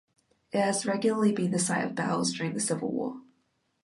It has regularly been the site of battles during the civil war.